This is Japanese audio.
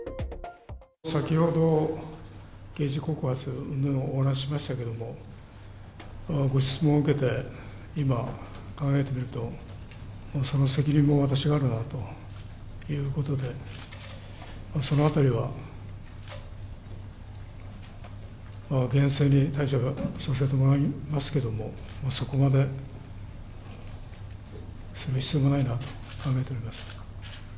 先ほど、刑事告発うんぬんをお話ししましたけれども、ご質問を受けて、今、考えてみると、その責任も私があるなということで、そのあたりは厳正に対処させてもらいますけれども、そこまで、する必要がないなと考えております。